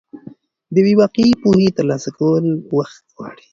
د یوې واقعي پوهې ترلاسه کول وخت غواړي.